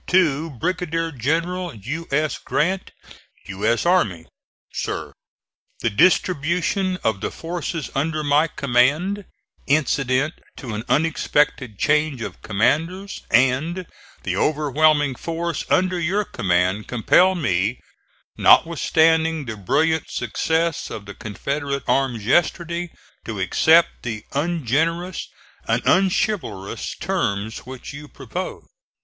To Brig. Gen'l U. S. GRANT, U. S. Army. SIR: The distribution of the forces under my command, incident to an unexpected change of commanders, and the overwhelming force under your command, compel me, notwithstanding the brilliant success of the Confederate arms yesterday, to accept the ungenerous and unchivalrous terms which you propose.